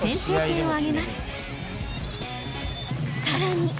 ［さらに］